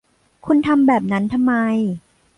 คุณทำแบบนั้นทำไม